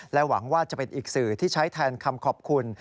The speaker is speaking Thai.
หวังว่าจะเป็นอีกสื่อที่ใช้แทนคำขอบคุณ